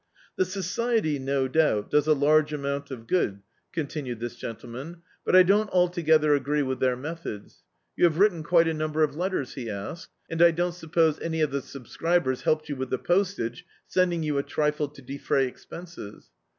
"The Society, no doubt, does a large amount of good," continued [223I Dictzed by Google The Autobiography of a Super Tramp this gentleman, "but I don't altogether agree with their methods. You have written quite a number of letters?" he asked; "and I don't suppose any of the subscribers helped you with the postage, sending you a trifle to defray expenses?"